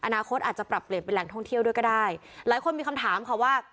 อนาคตอาจจะปรับเปลี่ยนเป็นแหล่งท่องเที่ยวด้วยก็ได้หลายคนมีคำถามค่ะว่า